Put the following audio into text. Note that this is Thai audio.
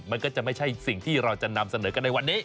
มันก็จะไม่ใช่สิ่งที่เราจะนำเสนอกันในวันนี้